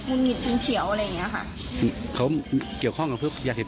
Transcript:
เหมือนอะไรปิดอีกแล้วหรออะไรประมาณนี้